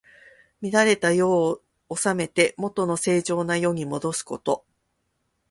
乱れた世を治めて、もとの正常な世にもどすこと。